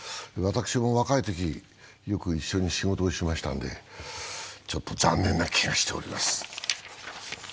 私も若いとき、よく一緒に仕事をしましたのでちょっと残念な気がしております。